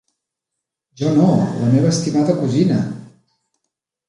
Jo no, la meva estimada cosina!